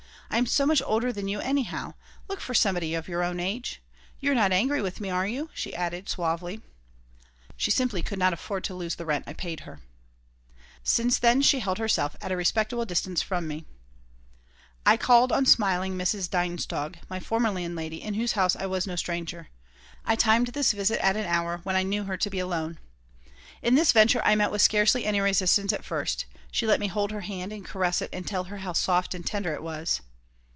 I am so much older than you, anyhow. Look for somebody of your own age. You are not angry at me, are you?" she added, suavely She simply could not afford to lose the rent I paid her Since then she held herself at a respectful distance from me I called on smiling Mrs. Dienstog, my former landlady, in whose house I was no stranger. I timed this visit at an hour when I knew her to be alone In this venture I met with scarcely any resistance at first. She let me hold her hand and caress it and tell her how soft and tender it was.